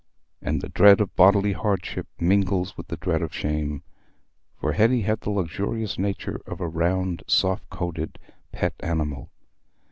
And the dread of bodily hardship mingled with the dread of shame; for Hetty had the luxurious nature of a round soft coated pet animal.